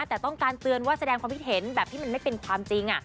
แต่ต้องการเตือนว่าแสดงความคิดเห็นแบบที่มันไม่เป็นความจริง